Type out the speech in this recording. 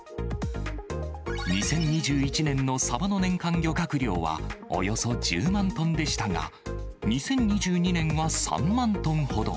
２０２１年のサバの年間漁獲量は、およそ１０万トンでしたが、２０２２年は３万トンほど。